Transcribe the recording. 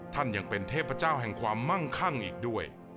ท่านยังเป็นเทพเจ้าแห่งความมั่งคั่งอีกด้วย